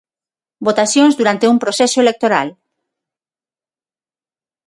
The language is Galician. Votacións durante un proceso electoral.